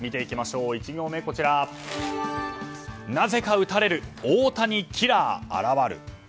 １行目なぜか打たれる大谷キラー現る。